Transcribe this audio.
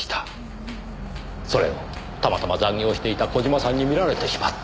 それをたまたま残業していた小島さんに見られてしまった。